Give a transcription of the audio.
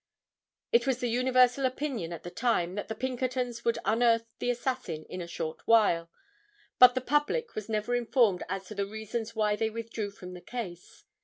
It was the universal opinion at the time that the Pinkertons would unearth the assassin in a short while, but the public was never informed as to the reasons why they withdrew from the case.